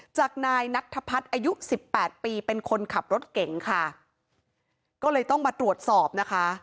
จากนายนัทธพัฒน์อายุสิบแปดปีเป็นคนขับรถเก่งค่ะก็เลยต้องมาตรวจสอบนะคะ